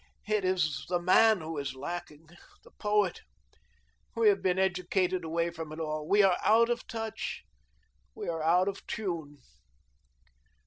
It is the man who is lacking, the poet; we have been educated away from it all. We are out of touch. We are out of tune."